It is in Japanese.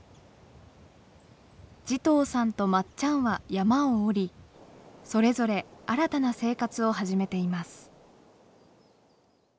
慈瞳さんとまっちゃんは山を下りそれぞれ新たな生活を始めています。